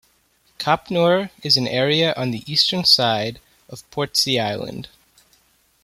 Copnor is an area on the eastern side of Portsea Island.